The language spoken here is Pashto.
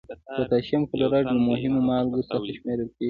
پوتاشیم کلورایډ له مهمو مالګو څخه شمیرل کیږي.